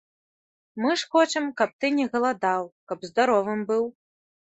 Мы ж хочам, каб ты не галадаў, каб здаровым быў.